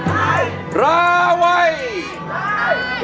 ผิดครับ